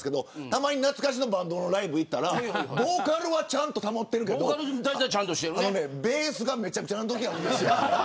たまに懐かしのバンドのライブに行ったらボーカルはちゃんと保ってるけどベースがめちゃくちゃなときがありますよ。